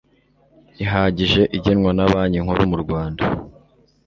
ihagije igenwa na banki nkuru murwanda